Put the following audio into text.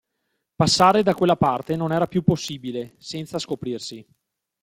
Passare da quella parte non era più possibile, senza scoprirsi.